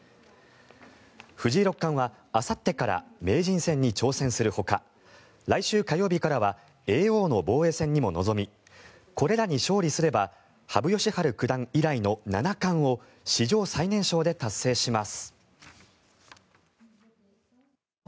藤井六冠はあさってから名人戦に挑戦するほか来週火曜日からは叡王の防衛戦にも臨みこれらに勝利すれば羽生善治九段以来の七冠を史上最年少で達成します。